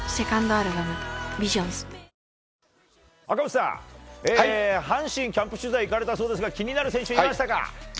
赤星さん、阪神キャンプ取材行かれたそうですが気になる選手はいましたか。